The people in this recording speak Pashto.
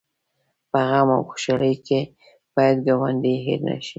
په غم او خوشحالۍ کې باید ګاونډی هېر نه شي